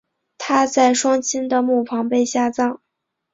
她在双亲的墓旁被下葬。